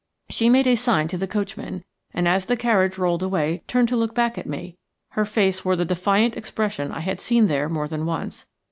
She made a sign to the coachman, and as the carriage rolled away turned to look back at me. Her face wore the defiant expression I had seen there more than once.